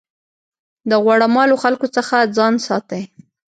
د غوړه مالو خلکو څخه ځان ساتئ.